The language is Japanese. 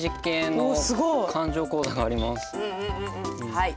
はい。